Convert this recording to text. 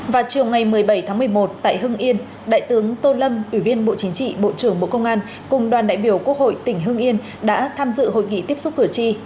vào chiều ngày một mươi bảy tháng một mươi một tại hưng yên đại tướng tô lâm ủy viên bộ chính trị bộ trưởng bộ công an cùng đoàn đại biểu quốc hội tỉnh hưng yên đã tham dự hội nghị tiếp xúc cử tri